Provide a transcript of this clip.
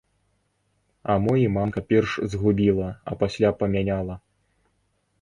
А мо і мамка перш згубіла, а пасля памяняла?